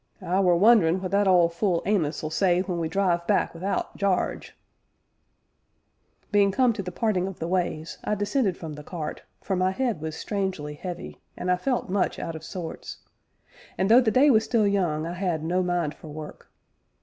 "I were wonderin' what that old fule Amos'll say when we drive back wi'out Jarge." Being come to the parting of the ways, I descended from the cart, for my head was strangely heavy, and I felt much out of sorts, and, though the day was still young I had no mind for work.